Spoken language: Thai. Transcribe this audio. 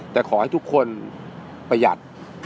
แต่ขอให้ทุกคนประหยัด